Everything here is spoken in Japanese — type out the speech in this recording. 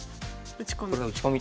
打ち込み。